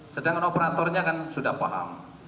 sedangkan operatornya kan sudah paham